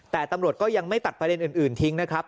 แต่ตำรวจก็ยังไม่ตัดประเด็นอื่นทิ้งนะครับ